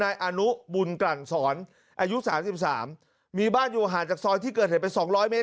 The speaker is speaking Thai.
นายอนุบุญกลั่นสอนอายุ๓๓มีบ้านอยู่ห่างจากซอยที่เกิดเหตุไปสองร้อยเมตร